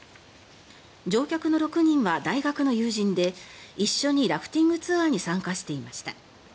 乗客の６人は大学の友人で一緒にラフティングツアーに参加していました。